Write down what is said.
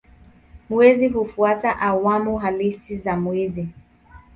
Mwezi hufuata awamu halisi za mwezi.